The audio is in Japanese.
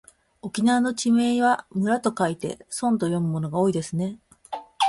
沖縄の地名は村と書いてそんと読むものが多いですね。